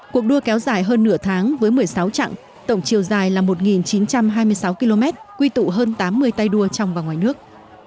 cuộc đua kéo dài hơn nửa tháng với một mươi sáu trạng tổng chiều dài là một chín trăm hai mươi sáu km quy tụ hơn tám mươi tay đua trong và ngoài nước